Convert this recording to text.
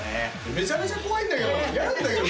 めちゃめちゃ怖いんだけど！